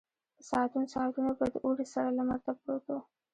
په ساعتونو ساعتونو به د اوړي سره لمر ته پروت و.